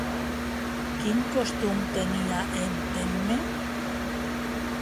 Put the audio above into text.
Quin costum tenia en Temme?